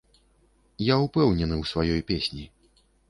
Я ўпэўнены ў сваёй песні.